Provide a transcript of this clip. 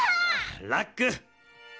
ラック！